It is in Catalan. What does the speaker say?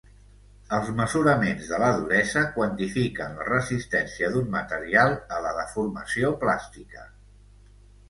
Els mesuraments de la duresa quantifiquen la resistència d'un material a la deformació plàstica.